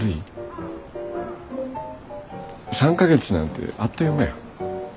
３か月なんてあっという間や。